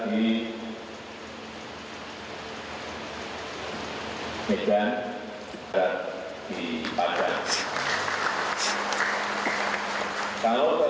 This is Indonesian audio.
tergantung nangkep atau tidaknya